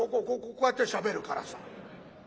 こうこうこうやってしゃべるからさ。